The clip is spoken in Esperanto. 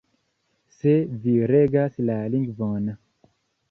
Se vi regas la lingvon.